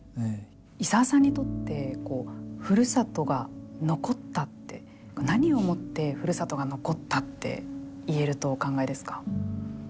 伊澤さんにとってふるさとが残ったって何をもってふるさとが残ったって言えるとお考えですか。